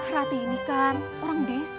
ratih ini kan orang desa